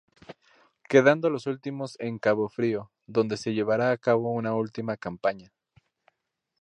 Quedando los últimos en Cabo Frío, donde se llevara a cabo una última campaña.